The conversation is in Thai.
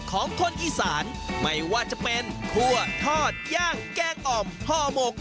ของคนอีสานไม่ว่าจะเป็นคั่วทอดย่างแกงอ่อมห่อหมก